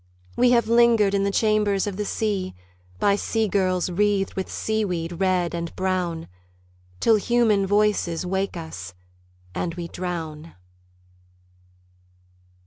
We have lingered in the chambers of the sea By sea girls wreathed with seaweed red and brown Till human voices wake us, and we drown.